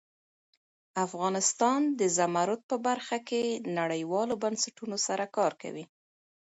افغانستان د زمرد په برخه کې نړیوالو بنسټونو سره کار کوي.